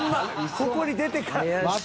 ここに出てから。